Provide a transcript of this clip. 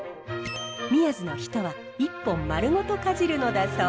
宮津の人は一本丸ごとかじるのだそう。